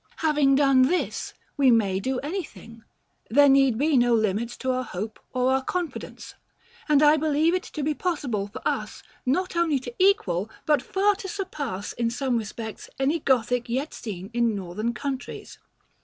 Having done this, we may do anything; there need be no limits to our hope or our confidence; and I believe it to be possible for us, not only to equal, but far to surpass, in some respects, any Gothic yet seen in Northern countries.